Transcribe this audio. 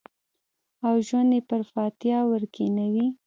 او ژوند یې پر فاتحه ورکښېنوی